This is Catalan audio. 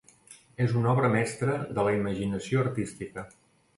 És una obra mestra de la imaginació artística.